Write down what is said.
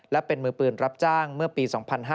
และเป็นมือปืนรับจ้างเมื่อปี๒๕๕๙